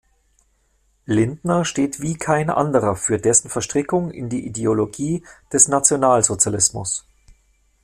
Lindner steht wie kein anderer für dessen Verstrickung in die Ideologie des Nationalsozialismus.